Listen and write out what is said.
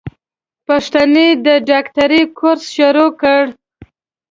پښتنې د ډاکټرۍ کورس شروع کړو.